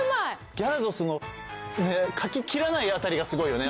ギャラドスの描ききらないあたりがすごいよね。